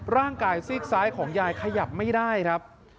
ร่างกายซีกซ้ายของยายขยับไม่ได้ครับ